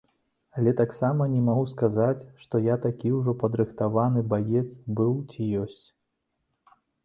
Але таксама не магу сказаць, што я такі ўжо падрыхтаваны баец быў ці ёсць.